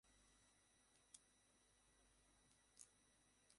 তারপর নামায আদায় করা হল।